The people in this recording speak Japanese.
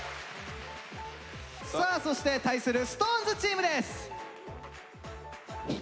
さあそして対するＳｉｘＴＯＮＥＳチームです。